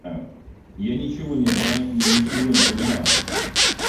Я ничего не знаю и ничего не понимаю.